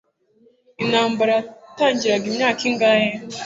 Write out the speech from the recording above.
Intambara yatangiraga imyaka ingahe